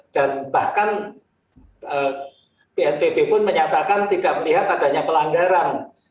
dan bahkan pnpb pun menyatakan tidak melihat adanya pelanggaran